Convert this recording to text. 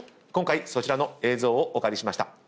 今回そちらの映像をお借りしました。